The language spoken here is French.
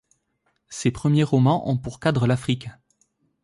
Ses premiers romans ont pour cadre l'Afrique.